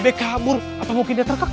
bebek kabur atau mungkin dia terkekak